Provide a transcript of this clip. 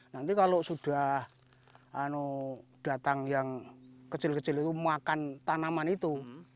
nanti kalau sudah datang yang kecil kecil itu makan tanaman itu